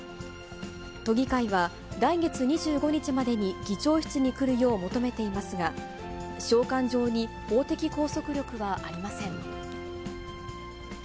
都議会は来月２５日までに議長室に来るよう求めていますが、召喚状に法的拘束力はありません。